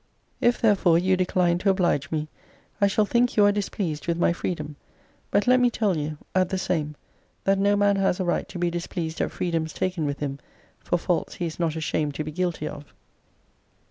If, therefore, you decline to oblige me, I shall think you are displeased with my freedom. But let me tell you, at the same, that no man has a right to be displeased at freedoms taken with him for faults he is not ashamed to be guilty of.